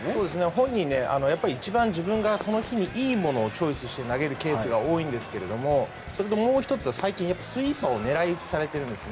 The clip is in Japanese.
本人、一番自分がその日にいいものをチョイスして投げるケースが多いんですがそれと、もう１つは最近スイーパーを狙い撃ちされているんです。